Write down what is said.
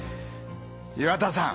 岩田さん。